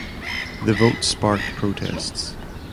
The vote sparked protests.